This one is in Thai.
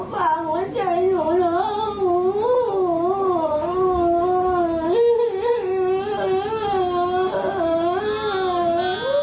ข้างในรักษณะนั้น